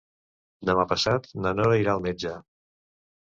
Demà passat na Nora irà al metge.